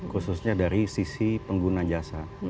khususnya dari sisi pengguna jasa